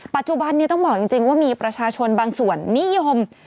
ปัจจุบันนี้ต้องบอกจริงว่ามีประชาชนบางส่วนนิยม